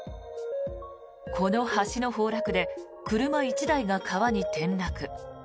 この橋の崩落で車１台が川に転落。